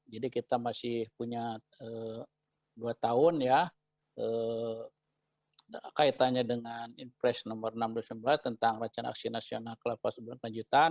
jadi kita masih punya dua tahun ya kaitannya dengan intresi nomor enam tahun dua ribu sembilan belas tentang rencana aksi nasional kelapa sawit berkelanjutan